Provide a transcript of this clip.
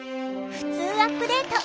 「ふつうアップデート」。